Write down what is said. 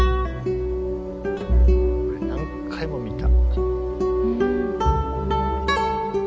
これ何回も見た。